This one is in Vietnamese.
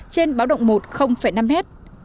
trên báo động một năm mét